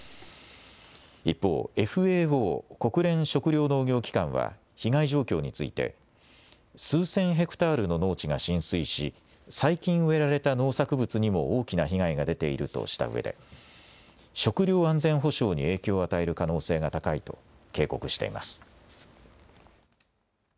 一方、ＦＡＯ国連食糧農業機関は被害状況について数千ヘクタールの農地が浸水し最近植えられた農作物にも大きな被害が出ているとしたうえで食料安全保障に影響を与える可能性が高いと警告しています。